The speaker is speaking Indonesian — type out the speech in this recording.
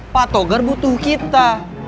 pak togar butuh kita